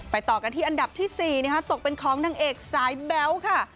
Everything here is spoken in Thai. ต่อกันที่อันดับที่๔ตกเป็นของนางเอกสายแบ๊วค่ะ